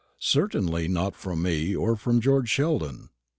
Certainly not from me or from George Sheldon.